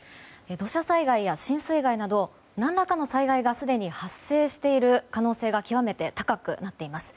土砂災害や浸水害など何らかの災害がすでに発生している可能性が極めて高くなっています。